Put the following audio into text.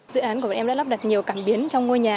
dự án của các em đã lắp đặt nhiều cảm biến trong ngôi nhà